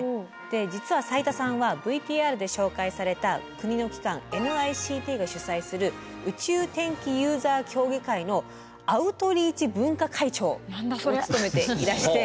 実は斉田さんはＶＴＲで紹介された国の機関ＮＩＣＴが主催する宇宙天気ユーザー協議会のアウトリーチ分科会長を務めていらして。